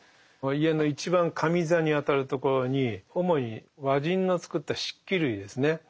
家の一番上座にあたるところに主に和人の作った漆器類ですね。